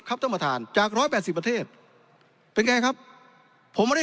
ครับต้องมาทานจากร้อยแปดสิบประเทศเป็นไงครับผมไม่ได้